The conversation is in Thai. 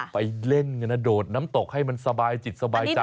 ไปเล่นกันนะโดดน้ำตกให้มันสบายจิตสบายใจ